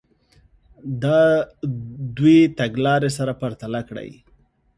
دا دوې تګ لارې سره پرتله کړئ.